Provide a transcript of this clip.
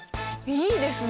いいですね！